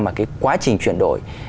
mà cái quá trình chuyển đổi